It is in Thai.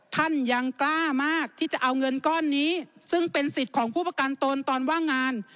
ท่านยังกล้ามากที่จะเอาเงินก้อนนี้ซึ่งเป็นสิทธิ์ของผู้ประกันตนตอนว่างงาน